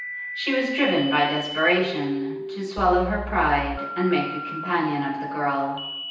She was driven by desperation to swallow her pride and make a companion of the girl.